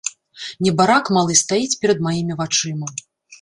Небарак малы стаіць перад маімі вачыма.